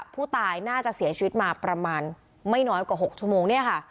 ผู้ตายน่าจะเสียชีวิตมาประมาณไม่น้อยกว่า๖ชั่วโมงเนี่ยค่ะ